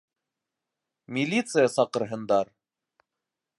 Милиция саҡырһындар!